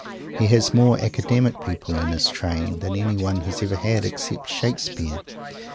He has more academic people in his train than anyone has ever had except Shakespeare.